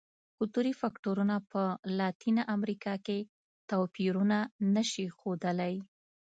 کلتوري فکټورونه په لاتینه امریکا کې توپیرونه نه شي ښودلی.